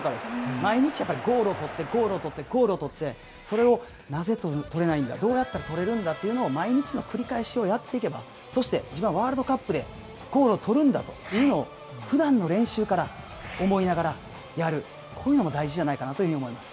毎日やっぱりゴールを取って、ゴールを取って、ゴールを取って、それをなぜ取れないんだ、どうやったら取れるんだということを、毎日の繰り返しをやっていけば、そして自分はワールドカップでゴールを取るんだというのをふだんの練習から思いながらやる、こういうのが大事じゃないかなというふうに思います。